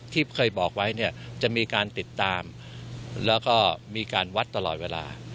ที่เคยบอกไว้เนี่ยจะมีการติดตามแล้วก็มีการวัดตลอดเวลา